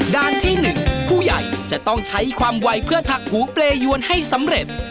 ด้านที่๑ผู้ใหญ่จะต้องใช้ความไวเพื่อถักหูเปรยวนให้สำเร็จ